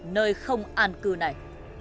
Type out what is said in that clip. nơi không an cư này